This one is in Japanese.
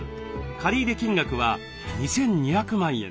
借入金額は２，２００万円。